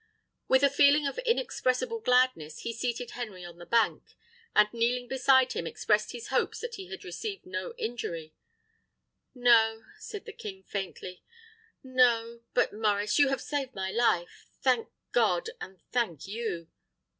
With a feeling of inexpressible gladness, he seated Henry on the bank, and kneeling beside him expressed his hopes that he had received no injury. "No," said the king, faintly; "no. But, Maurice, you have saved my life. Thank God, and thank you!"